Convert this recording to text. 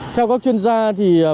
theo các chuyên gia